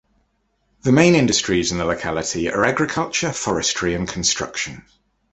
The main industries in the locality are agriculture, forestry and construction.